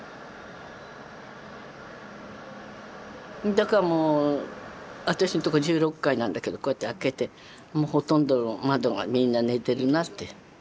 だからもう私のとこ１６階なんだけどこうやって開けてほとんど窓がみんな寝てるなって。